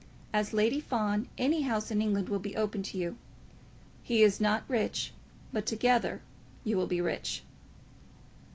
As Lady Fawn, any house in England will be open to you. He is not rich, but together you will be rich."